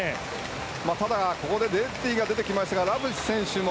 ただ、ここでデッティが出てきましたがラプシス選手も。